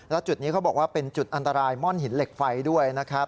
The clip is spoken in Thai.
แล้วจุดนี้เขาบอกว่าเป็นจุดอันตรายม่อนหินเหล็กไฟด้วยนะครับ